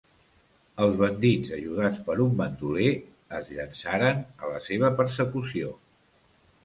Els bandits, ajudats per un bandoler, es llançaran a la seva persecució.